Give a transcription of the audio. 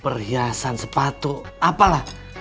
perhiasan sepatu apalah